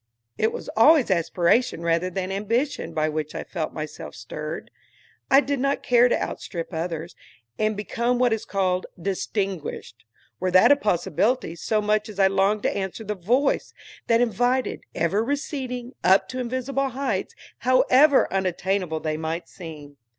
It was always aspiration rather than ambition by which I felt myself stirred. I did not care to outstrip others, and become what is called "distinguished," were that a possibility, so much as I longed to answer the Voice that invited, ever receding, up to invisible heights, however unattainable they might seem.